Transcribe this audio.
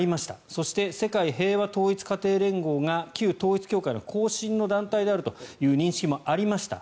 そして、世界平和統一家庭連合が旧統一教会の後身であるという認識もありました